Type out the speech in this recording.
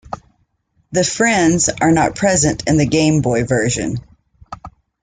The "friends" are not present in the Game Boy version.